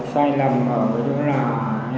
sai lầm ở cái chỗ là